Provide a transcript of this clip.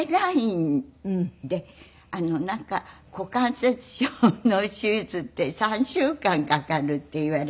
なんか股関節症の手術って３週間かかるって言われて。